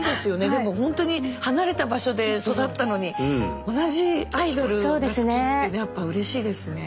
でも本当に離れた場所で育ったのに同じアイドルが好きってねやっぱうれしいですね。